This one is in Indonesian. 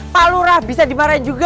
pak lurah bisa dimarahin juga